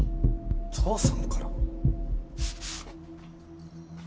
父さんから？